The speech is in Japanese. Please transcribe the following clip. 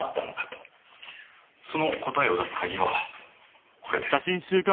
その答えを出す鍵はこれです。